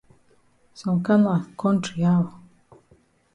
Some kana kontry how?